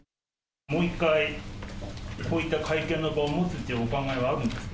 もう一回、こういった会見の場を持つというお考えはあるんですか？